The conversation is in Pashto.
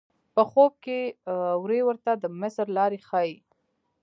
په خوب کې وری ورته د مصر لار ښیي.